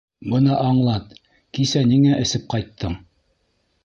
Бына аңлат: кисә ниңә эсеп ҡайттың?